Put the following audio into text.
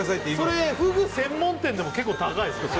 それふぐ専門店でも結構高いですよ